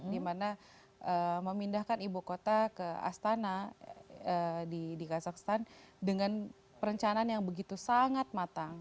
dimana memindahkan ibu kota ke astana di kazakhstan dengan perencanaan yang begitu sangat matang